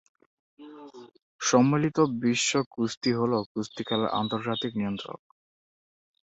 সম্মিলিত বিশ্ব কুস্তি হল কুস্তি খেলার আন্তর্জাতিক নিয়ন্ত্রক।